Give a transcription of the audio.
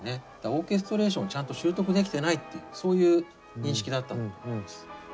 オーケストレーションちゃんと習得できてないっていうそういう認識だったんだと思います。